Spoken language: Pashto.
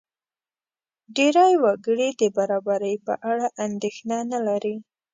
ډېری وګړي د برابرۍ په اړه اندېښنه نه لري.